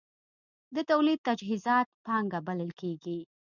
د تولید تجهیزات پانګه بلل کېږي.